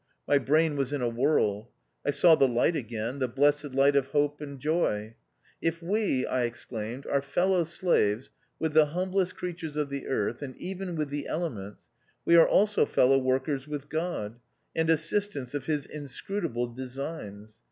My brain was in a whirl. I saw the light again, the blessed light of hope and joy. "If we," I exclaimed, "are fellow slaves with the humblest creatures of the earth, and even with the elements, we are also fellow workers with God, and assistants of his inscrutable designs.